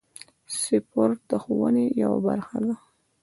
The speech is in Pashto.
سپورت د ښوونې یوه برخه ده.